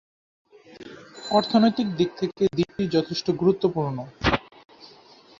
অর্থনৈতিক দিক থেকে দ্বীপটি যথেষ্ট গুরুত্ব পূর্ণ।